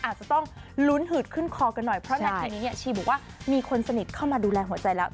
อาจจะต้องลุ้นหืดขึ้นคอกันหน่อยเพราะนาทีนี้เนี่ยชีบอกว่ามีคนสนิทเข้ามาดูแลหัวใจแล้ว